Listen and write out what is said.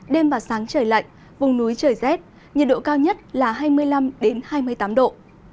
đêm và sáng trời lạnh vùng núi trời rét nhiệt độ cao nhất là hai mươi năm hai mươi tám độ